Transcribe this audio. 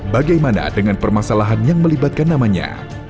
bagaimana dengan permasalahan yang melibatkan namanya